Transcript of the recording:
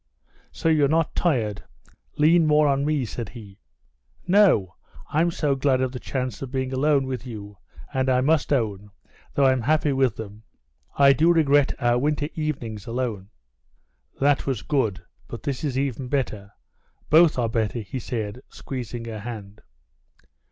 "So you're not tired? Lean more on me," said he. "No, I'm so glad of a chance of being alone with you, and I must own, though I'm happy with them, I do regret our winter evenings alone." "That was good, but this is even better. Both are better," he said, squeezing her hand.